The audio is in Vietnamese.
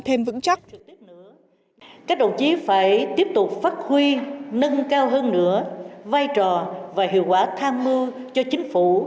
các đồng chí phải tiếp tục phát huy nâng cao hơn nữa vai trò và hiệu quả tham mưu cho chính phủ